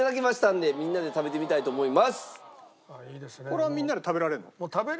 これはみんなで食べられるの？